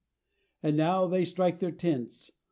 And now they strike their tents.